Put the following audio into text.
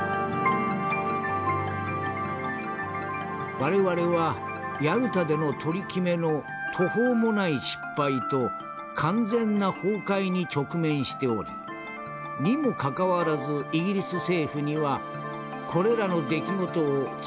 「我々はヤルタでの取り決めの途方もない失敗と完全な崩壊に直面しておりにもかかわらずイギリス政府にはこれらの出来事を追及する余力がありません。